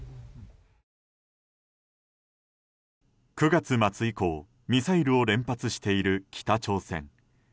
９月末以降ミサイルを連発している北朝鮮。